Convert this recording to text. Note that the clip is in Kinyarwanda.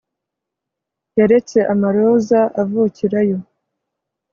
Yaretse amaroza avukirayo